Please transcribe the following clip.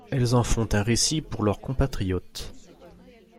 Elles en font un récit pour leurs compatriotes.